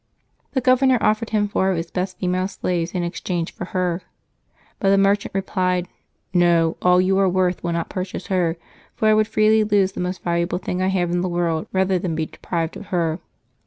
The governor offered him four of his best female slaves in exchange for her. But the merchant replied, *^ Fo ; all you are worth will not purchase her; for I would freely lose the most valuable thing I have in the world rather than be deprived of her."